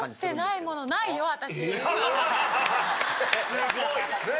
すごい。